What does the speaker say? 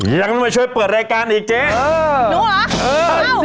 ยังไม่เคยเปิดรายการอีกเจ๊